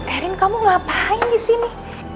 erin kamu ngapain disini